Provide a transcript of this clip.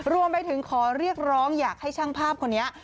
รวมไปถึงขอเรียกร้องอยากให้ช่างภาพคนนี้